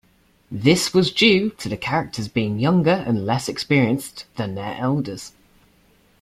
This was due to the characters being younger and less experienced than their elders.